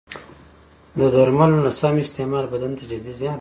د درملو نه سم استعمال بدن ته جدي زیان رسوي.